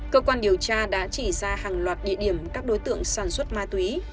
cơ quan điều tra đã chỉ ra hàng loạt địa điểm các đối tượng sản xuất ma túy